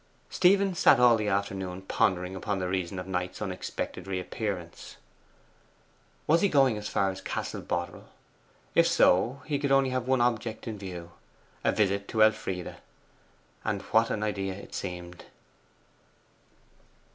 Stephen sat all the afternoon pondering upon the reason of Knight's unexpected reappearance. Was he going as far as Castle Boterel? If so, he could only have one object in view a visit to Elfride. And what an idea it seemed!